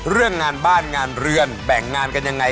เรื่องงานบ้านงานเรือนแบ่งงานกันยังไง